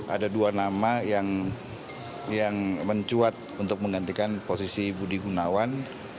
ada dua nama yang mencuat untuk menggantikan posisi budi gunawan